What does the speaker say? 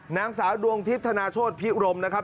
นางสาวดวงทิพย์ธนาโชธพิรมนะครับ